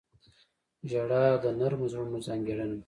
• ژړا د نرمو زړونو ځانګړنه ده.